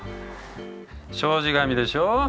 障子紙でしょう。